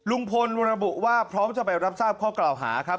ลุงพลระบุว่าพร้อมจะไปรับทราบข้อกล่าวหาครับ